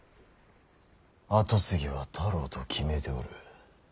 跡継ぎは太郎と決めておる。